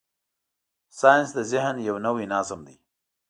ساینس د ذهن یو نوی نظم دی.